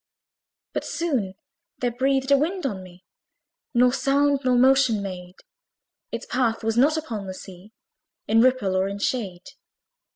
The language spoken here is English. But soon there breathed a wind on me, Nor sound nor motion made: Its path was not upon the sea, In ripple or in shade.